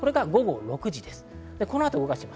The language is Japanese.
午後６時です。